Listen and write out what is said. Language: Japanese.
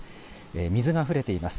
水があふれています。